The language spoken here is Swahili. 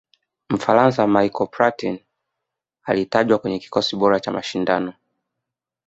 mfaransa michael platin alitajwa kwenye kikosi bora cha mashindano